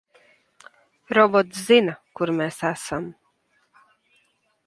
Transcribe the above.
Robots zina, kur mēs esam.